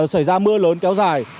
xảy ra mưa lớn kéo dài